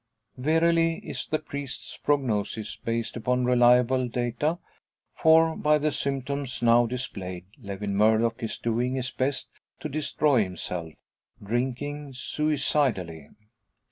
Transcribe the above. Verily, is the priest's prognosis based upon reliable data; for by the symptoms now displayed Lewin Murdock is doing his best to destroy himself drinking suicidally!